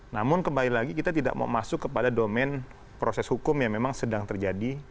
namun kembali lagi kita tidak mau masuk kepada domain proses hukum yang memang sedang terjadi